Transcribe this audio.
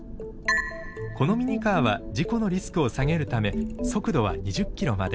このミニカーは事故のリスクを下げるため速度は２０ｋｍまで。